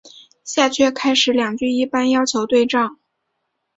下阕开始两句一般要求对仗。